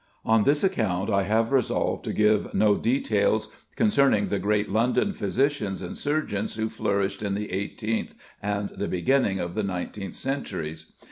On this account I have resolved to give no details concerning the great London physicians and surgeons who flourished in the eighteenth and the beginning of the nineteenth centuries.